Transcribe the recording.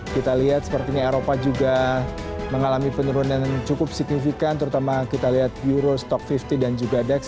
kita lihat sepertinya eropa juga mengalami penurunan cukup signifikan terutama kita lihat euro stock lima puluh dan juga dex